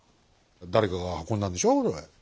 誰かが運んだんでしょそれ。